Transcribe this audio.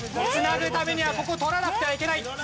繋ぐためにはここ取らなくてはいけない。